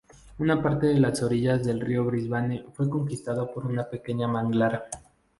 Una parte de las orillas del río Brisbane fue conquistada por una pequeña manglar.